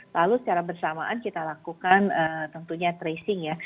lalu secara bersamaan kita lakukan tentunya tracing ya